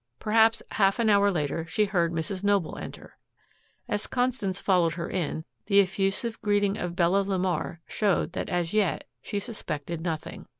Perhaps half an hour later she heard Mrs. Noble enter. As Constance followed her in, the effusive greeting of Bella LeMar showed that as yet she suspected nothing.